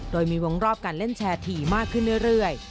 โดยมีวงรอบการเล่นแชร์ถี่มากขึ้นเรื่อย